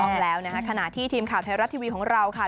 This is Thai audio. ถูกต้องแล้วนะคะขณะที่ทีมข่าวไทยรัฐทวีดีความอะไรกันแน่